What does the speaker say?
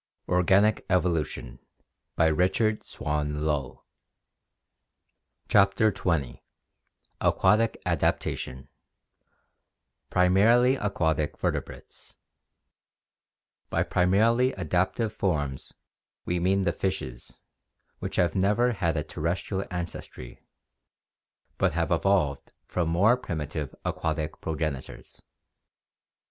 CHAPTER XX AQUATIC ADAPTATION Primarily Aquatic Vertebrates By primarily adaptive forms we mean the fishes, which have never had a terrestrial ancestry, but have evolved from more primitive aquatic progenitors.